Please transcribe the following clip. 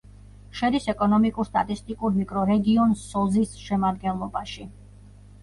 შედის ეკონომიკურ-სტატისტიკურ მიკრორეგიონ სოზის შემადგენლობაში.